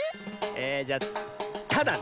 えじゃ「た」だね。